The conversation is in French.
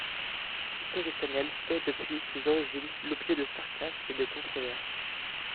History Channel fait, depuis ses origines, l'objet de sarcasmes et de controverses.